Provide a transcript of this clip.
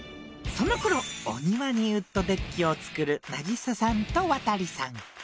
そのころお庭にウッドデッキを作る渚さんと亘さん。